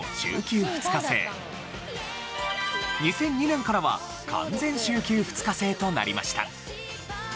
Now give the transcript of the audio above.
２００２年からは完全週休２日制となりました。